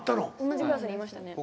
同じクラスにいましたね。